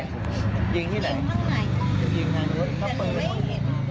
ยิงทางใน